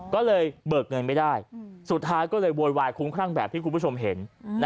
ก็เลยเบิกเงินไม่ได้สุดท้ายก็เลยโวยวายคุ้มครั่งแบบที่คุณผู้ชมเห็น